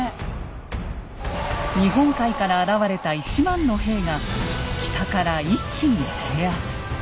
日本海から現れた１万の兵が北から一気に制圧。